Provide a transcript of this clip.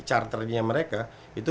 charter nya mereka itu